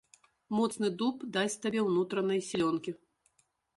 Моцны дуб дасць табе ўнутранай сілёнкі.